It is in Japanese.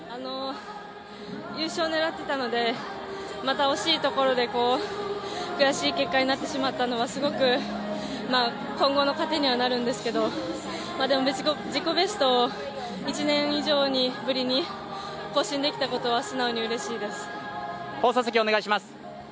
優勝を狙っていましたのでまた惜しいところで悔しい結果になってしまったのはすごく、今後の糧にはなるんですけどでも、自己ベストを１年以上ぶりに更新できたことは放送席お願いします。